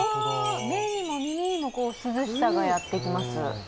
目にも耳にも涼しさがやってきます。